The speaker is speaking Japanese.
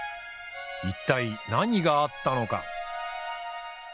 一体何があったのか。